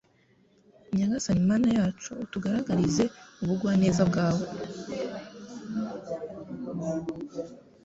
Nyagasani Mana yacu utugaragarize ubugwaneza bwawe